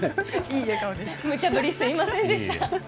無茶ぶりすみませんでした。